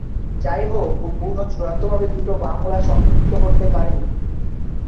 যাইহোক, ব্যুরো চূড়ান্তভাবে দুটি মামলা সংযুক্ত করতে পারেনি।